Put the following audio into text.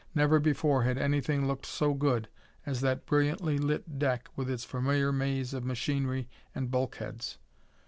Never before had anything looked so good as that brilliantly lit deck with its familiar maze of machinery and bulkheads.